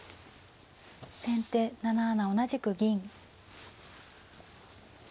先手７七同じく銀。